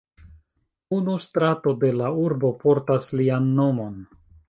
Unu strato de la urbo portas lian nomon.